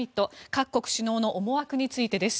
各国首脳の思惑についてです。